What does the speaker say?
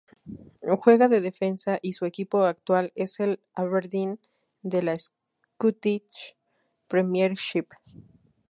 Juega de defensa y su equipo actual es el Aberdeen de la Scottish Premiership.